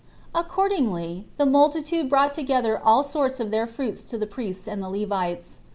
Accordingly, the multitude brought together all sorts of their fruits to the priests and the Levites.